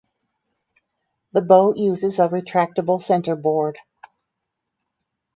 The boat uses a retractable Centreboard.